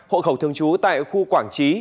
hộ khẩu thường trú tại khu quảng trí